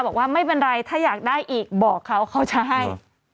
บอกว่าไม่เป็นไรถ้าอยากได้อีกบอกเขาเขาจะให้